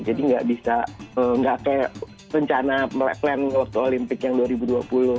jadi nggak bisa nggak kayak rencana melek lek lotto olimpik yang dua ribu dua puluh gitu